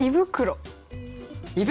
「胃袋」？